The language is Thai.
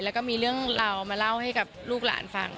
แล้วก็มีเรื่องราวมาเล่าให้กับลูกหลานฟัง